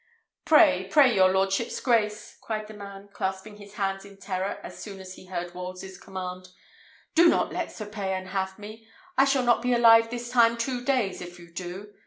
"Pray, pray your lordship's grace!" cried the man, clasping his hands in terror as soon as he heard Wolsey's command; "do not let Sir Payan have me. I shall not be alive this time two days, if you do.